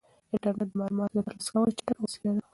انټرنيټ د معلوماتو د ترلاسه کولو چټکه وسیله ده.